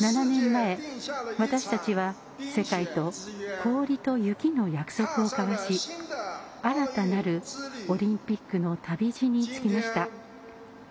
７年前、私たちは世界と氷と雪の約束を交わし新たなるオリンピックの旅路につきました。